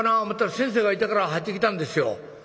思うたら先生がいたから入ってきたんですよ」。